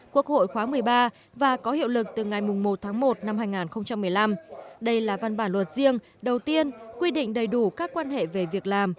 quốc hội khóa một mươi ba và có hiệu lực từ ngày một tháng một năm hai nghìn một mươi năm đây là văn bản luật riêng đầu tiên quy định đầy đủ các quan hệ về việc làm